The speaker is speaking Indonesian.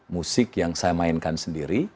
musik yang saya mainkan sendiri